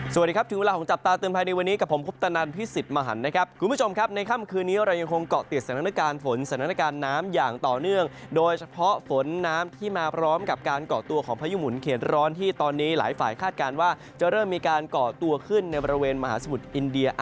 สวัสดีครับถึงเวลาของจับตาเตือนภัยในวันนี้กับผมคุปตนันพิสิทธิ์มหันนะครับคุณผู้ชมครับในค่ำคืนนี้เรายังคงเกาะติดสถานการณ์ฝนสถานการณ์น้ำอย่างต่อเนื่องโดยเฉพาะฝนน้ำที่มาพร้อมกับการเกาะตัวของพายุหมุนเขตร้อนที่ตอนนี้หลายฝ่ายคาดการณ์ว่าจะเริ่มมีการก่อตัวขึ้นในบริเวณมหาสมุทรอินเดีย